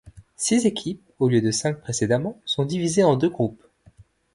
Six équipes, au lieu de cinq précédemment, sont divisées en deux groupes.